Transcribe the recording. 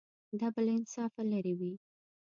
دا به له انصافه لرې وي.